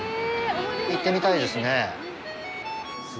行ってみたいですね。